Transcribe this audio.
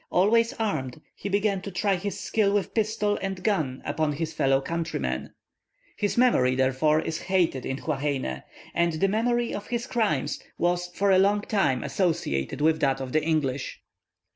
Always armed, he began to try his skill with pistol and gun upon his fellow countrymen. His memory therefore is hated in Huaheine, and the memory of his crimes was for a long time associated with that of the English.